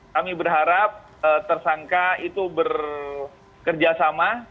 kami berharap tersangka itu bekerjasama